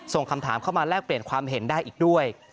ส่งคำถามเข้ามาแลกเปลี่ยนความเห็นได้อีกด้วย